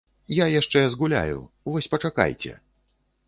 Я яшчэ згуляю, вось пачакайце!